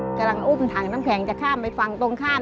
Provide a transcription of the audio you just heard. กำลังอุ้มถังน้ำแข็งจะข้ามไปฝั่งตรงข้าม